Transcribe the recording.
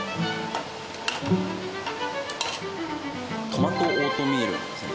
トマトオートミールですね。